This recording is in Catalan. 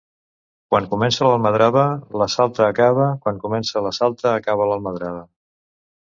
Quan comença l'almadrava, la salta acaba; quan comença la salta, acaba l'almadrava.